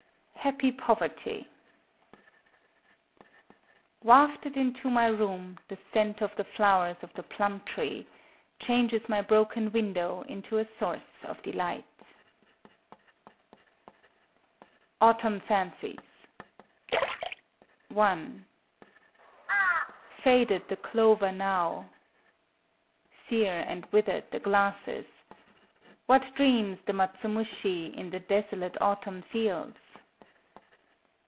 _ HAPPY POVERTY Wafted into my room, the scent of the flowers of the plum tree Changes my broken window into a source of delight. AUTUMN FANCIES (1) Faded the clover now;—sere and withered the grasses: What dreams the matsumushi _in the desolate autumn fields?